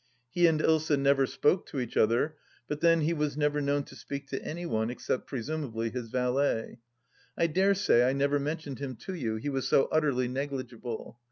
He and Ilsa never spoke to each other ; but then, he was never known to speak to any one, except presumably his valet. I dare say I never mentioned him to you ; he was so utterly negligible.